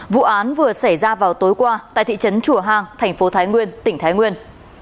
vụ án vừa xảy ra vào tối qua tại thị trấn chùa hàng thành phố thái nguyên tỉnh thái nguyên